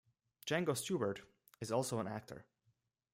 Django Stewart is also an actor.